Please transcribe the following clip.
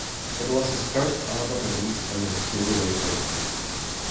It was his first album released under his new label.